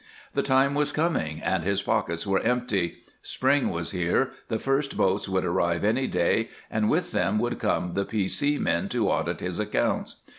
The time was coming, and his pockets were empty. Spring was here, the first boats would arrive any day, and with them would come the P. C. men to audit his accounts.